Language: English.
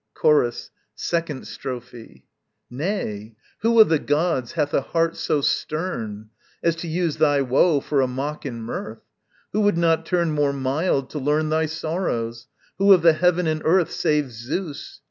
Chorus, 2nd Strophe. Nay! who of the gods hath a heart so stern As to use thy woe for a mock and mirth? Who would not turn more mild to learn Thy sorrows? who of the heaven and earth Save Zeus?